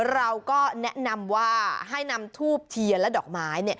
เราก็แนะนำว่าให้นำทูบเทียนและดอกไม้